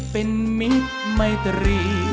เป็นมิตรไมตรี